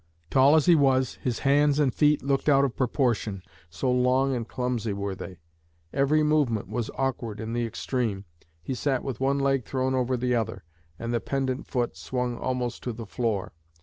Tall as he was, his hands and feet looked out of proportion, so long and clumsy were they. Every movement was awkward in the extreme. He sat with one leg thrown over the other, and the pendent foot swung almost to the floor.